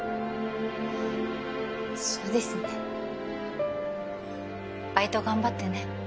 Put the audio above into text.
そうですねバイト頑張ってね